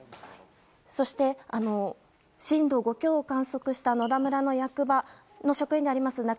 そして、震度５強を観測した野田村の役場の職員であります